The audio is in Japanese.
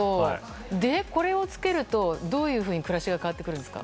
これを着けるとどういうふうに暮らしが変わってくるんですか。